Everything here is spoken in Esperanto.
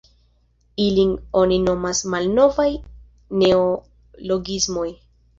Ilin oni nomas "malnovaj neologismoj".